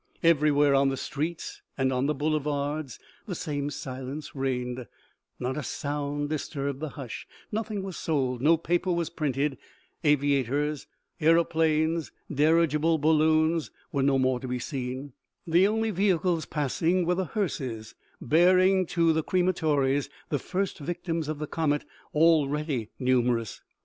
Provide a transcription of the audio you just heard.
Everywhere on the streets and on the boulevards the same silence reigned ; not a sound disturbed the hush, nothing was sold, no paper was printed ; aviators, aero planes, dirigible balloons were no more to be seen ; the only vehicles passing were the hearses bearing to the crematories the first victims of the comet, already numer ous.